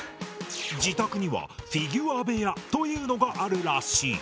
自宅には「フィギュア部屋」というのがあるらしい。